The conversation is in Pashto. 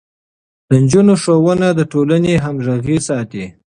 د نجونو ښوونه د ټولنې همغږي ساتي.